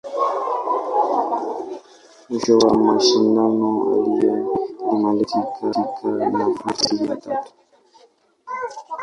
Mwisho wa mashindano, alimaliza katika nafasi ya tatu.